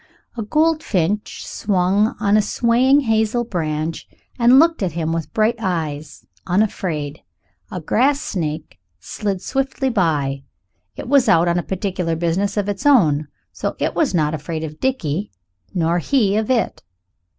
A goldfinch swung on a swaying hazel branch and looked at him with bright eyes, unafraid; a grass snake slid swiftly by it was out on particular business of its own, so it was not afraid of Dickie nor he of it.